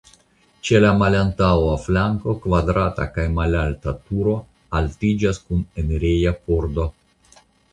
Ĉe la malantaŭa flanko kvadrata kaj malalta turo altiĝas kun enireja pordo.